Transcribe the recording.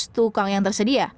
lima ratus tukang yang tersedia